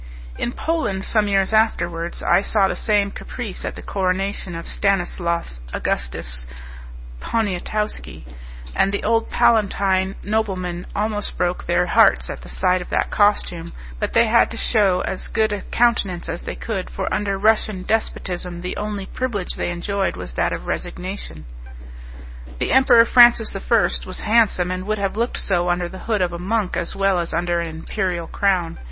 In Poland, some years afterwards, I saw the same caprice at the coronation of Stanislas Augustus Poniatowski, and the old palatine noblemen almost broke their hearts at the sight of that costume; but they had to shew as good a countenance as they could, for under Russian despotism the only privilege they enjoyed was that of resignation. The Emperor Francis I. was, handsome, and would have looked so under the hood of a monk as well as under an imperial crown.